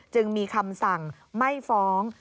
จึงมีคำสั่งไม่ฟ้อง